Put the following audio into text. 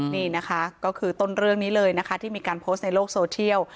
นี่นะคะก็คือต้นเรื่องนี้เลยนะคะที่มีการโพสต์ในโลกโซเทียล